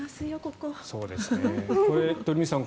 これ、鳥海さん